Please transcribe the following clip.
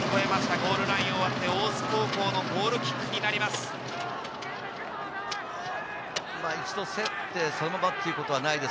ゴールラインを割って、大津高校のゴールキックになります。